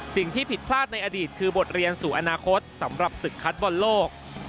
สิ่งที่ผิดพลาดในอดีตคือบทเรียนสู่อนาคตสำหรับศึกคัดบอลโลก